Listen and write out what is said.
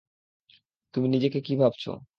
তুমি নিজেকে কী ভাবছ?